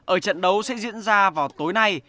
ở trận đấu sẽ diễn ra vào tối nay